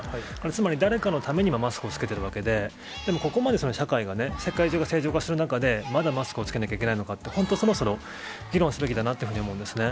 つまり、誰かのためにマスクを着けているわけで、でも、ここまで社会が、世界中が正常化している中で、まだマスクを着けなきゃいけないのかって、本当そろそろ議論すべきだなって思うんですね。